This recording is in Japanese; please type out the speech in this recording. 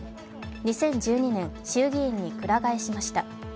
２０１２年、衆議院にくら替えしました